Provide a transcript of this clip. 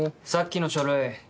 さっきの書類